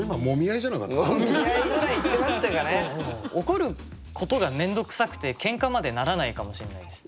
怒ることが面倒くさくてケンカまでならないかもしれないです。